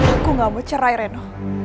aku gak mau cerai reno